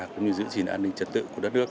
cũng như giữ gìn an ninh trật tự của đất nước